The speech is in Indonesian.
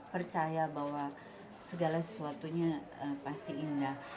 percaya bahwa segala sesuatunya pasti indah